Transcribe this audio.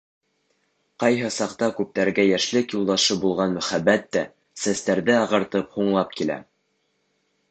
Ҡайһы саҡта күптәргә йәшлек юлдашы булған мөхәббәт тә, сәстәрҙе ағартып, һуңлап килә.